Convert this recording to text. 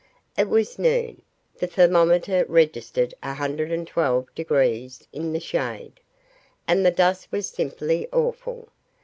It was noon, the thermometer registered 112 degrees in the shade, and the dust was simply awful.